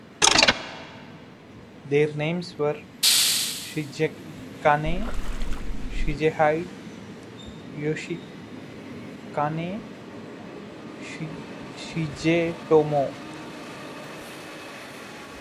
Their names were Shigekane, Shigehide, Yoshikane, and Shigetomo.